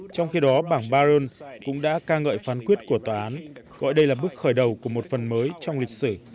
trong khi đó bảng baron cũng đã ca ngợi phán quyết của tòa án gọi đây là bước khởi đầu của một phần mới trong lịch sử